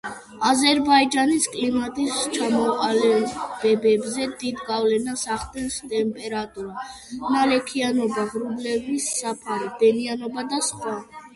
აზერბაიჯანის კლიმატის ჩამოყალიბებაზე დიდ გავლენას ახდენს ტემპერატურა, ნალექიანობა, ღრუბლების საფარი, ტენიანობა და სხვა.